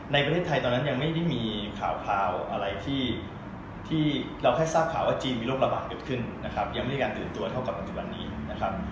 ในประเทศไทยตอนนั้นยังไม่ได้มีข่าวอะไรที่เราแค่ทราบข่าวว่าจีนมีโรคระบาดเกิดขึ้นนะครับยังไม่มีการตื่นตัวเท่ากับปัจจุบันนี้นะครับ